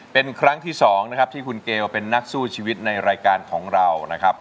เป็นครั้งที่๒นะครับที่คุณเกลเป็นนักสู้ชีวิตในรายการของเรานะครับ